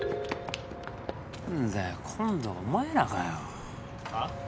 んだよ今度はお前らかよ。あっ？